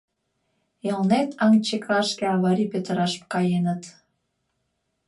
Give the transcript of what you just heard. — Элнет аҥ чекашке аварий петыраш каеныт.